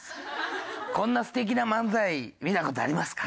こんな素敵な漫才見た事ありますか？